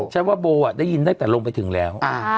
ใช่ว่าเบาอ่ะได้ยินได้แต่ลงไปถึงแล้ว